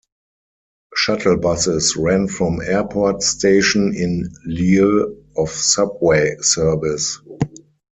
Shuttle buses ran from Airport Station in lieu of subway service.